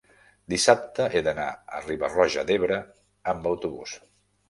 dissabte he d'anar a Riba-roja d'Ebre amb autobús.